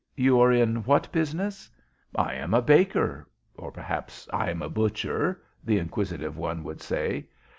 You are in what business?" "I am a baker," or, perhaps, "I am a butcher," the inquisitive one would say.